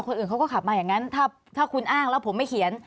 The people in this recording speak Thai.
คนอื่นเขาก็ขับมาอย่างนั้นถ้าคุณอ้างแล้วผมไม่เขียน